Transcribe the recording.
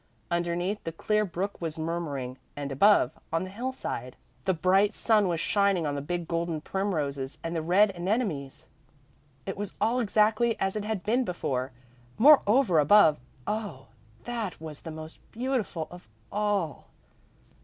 Underneath, the clear brook was murmuring, and above, on the hillside, the bright sun was shining on the big golden primroses and the red anemones. It was all exactly as it had been before! Moreover, above oh, that was the most beautiful of all!